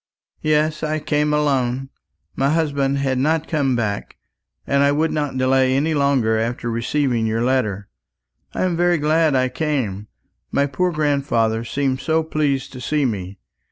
"Yes, I came alone. My husband had not come back, and I would not delay any longer after receiving your letter. I am very glad I came. My poor grandfather seemed so pleased to see me.